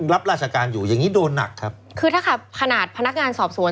รับราชการอยู่อย่างงี้โดนหนักครับคือถ้าขนาดพนักงานสอบสวน